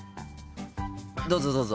どうぞどうぞ。